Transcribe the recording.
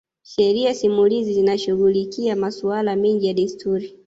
Sheria simulizi zinashughulikia masuala mengi ya desturi